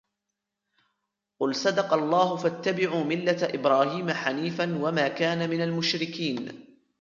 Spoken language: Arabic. قل صدق الله فاتبعوا ملة إبراهيم حنيفا وما كان من المشركين